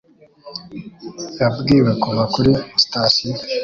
Yabwiwe kuva kuri sitasiyo.